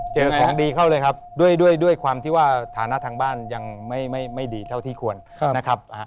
เจอของดีเข้าเลยครับด้วยด้วยด้วยความที่ว่าฐานะทางบ้านยังไม่ไม่ไม่ดีเท่าที่ควรนะครับ